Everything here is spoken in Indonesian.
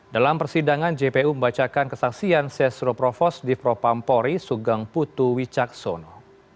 dalam persidangan jpu membacakan kesaksian sesro provost dipropampori sugeng putu wicaksono